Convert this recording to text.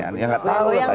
yang nggak tau kan